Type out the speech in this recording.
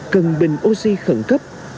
cần bình oxy khẩn cấp